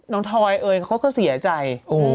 ทอยเอ่ยเขาก็เสียใจ